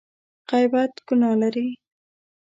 غیبت ګناه لري !